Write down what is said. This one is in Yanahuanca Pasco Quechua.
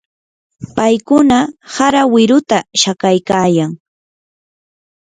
paykuna hara wiruta shakaykaayan.